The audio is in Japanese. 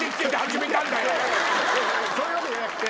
そういうわけじゃなくて。